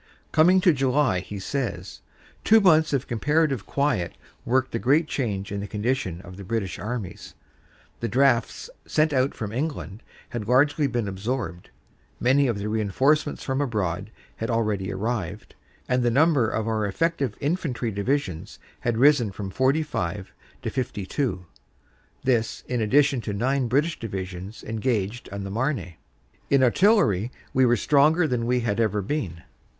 Coming to July he says: "Two months of comparative quiet worked a great change in the condition of the British armies. The drafts sent out from England had largely been absorbed, many of the reinforcements from abroad had already arrived, and the number of our effective infantry divi sions had risen from forty five to fifty two (this in addition to nine British divisions engaged on the Marne) . In artillery we were stronger than we had ever been."